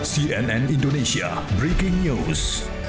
cnn indonesia breaking news